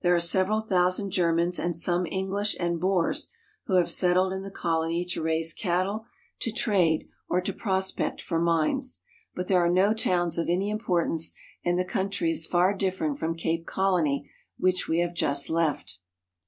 There are several thousand Germans and some English and Boers who have settled in the colony to raise cattle, to trade, or to prospect for mines ; but there are no towns of any importance, and the country is far different from Cape Colony, which we have just left.